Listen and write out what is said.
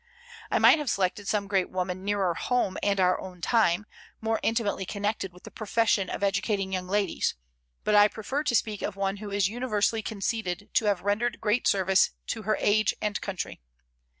I might have selected some great woman nearer home and our own time, more intimately connected with the profession of educating young ladies; but I prefer to speak of one who is universally conceded to have rendered great service to her age and country.